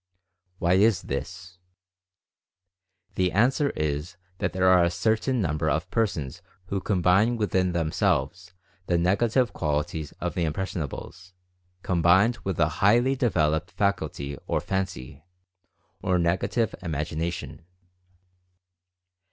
Why is this ? The answer is that there are a certain number of persons who com bine within themselves the negative qualities of the "impressionables " combined with a highly developed faculty of Fancy, or Negative Imagination.